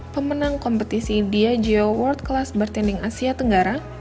pemenang kompetisi diageo world class bar tending asia tenggara